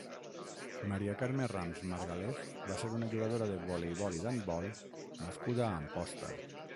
Maria Carme Rams Margalef va ser una jugadora de voleibol i d'handbol nascuda a Amposta.